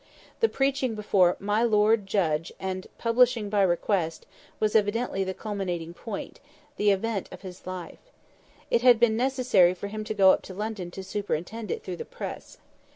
The preaching before "My Lord Judge," and the "publishing by request," was evidently the culminating point—the event of his life. It had been necessary for him to go up to London to superintend it through the press.